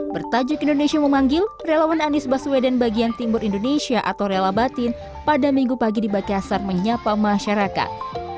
bertajuk indonesia memanggil relawan anis baswedan bagian timur indonesia atau relabatin pada minggu pagi di bakyasar menyapa masyarakat